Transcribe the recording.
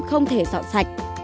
không thể dọn sạch